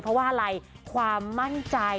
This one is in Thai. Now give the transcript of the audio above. เพราะว่าอะไรความมั่นใจ